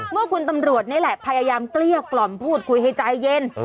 เมื่อคุณตำรวจนี่แหละพยายามเกลี้ยกล่อมพูดคุยให้ใจเย็น